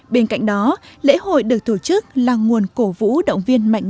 bên cạnh đó lễ hội được tổ chức là nguồn cổ vũ động viên mạnh mẽ